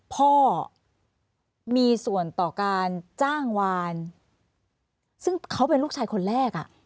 พ่อมีส่วนต่อการจ้างวานซึ่งเขาเป็นลูกชายคนแรกอ่ะ